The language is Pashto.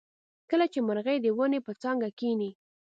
کله چې مرغۍ د ونې په څانګه کیني.